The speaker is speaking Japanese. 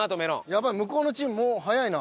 ヤバい向こうのチーム早いな。